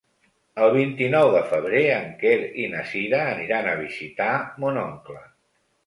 El vint-i-nou de febrer en Quer i na Cira aniran a visitar mon oncle.